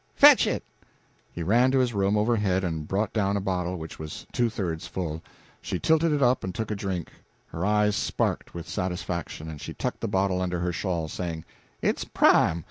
"Fetch it!" He ran to his room overhead and brought down a bottle which was two thirds full. She tilted it up and took a drink. Her eyes sparkled with satisfaction, and she tucked the bottle under her shawl, saying, "It's prime.